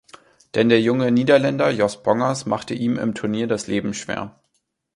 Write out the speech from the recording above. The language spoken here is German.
Denn der junge Niederländer Jos Bongers machte ihm im Turnier das Leben schwer.